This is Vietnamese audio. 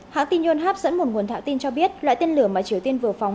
hãng tin nhuận hap dẫn một nguồn thảo tin cho biết loại tiên lửa mà triều tiên vừa phóng